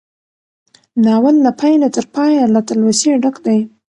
ناول له پيله تر پايه له تلوسې ډک دی.